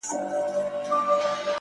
وتاته زه په خپله لپه كي!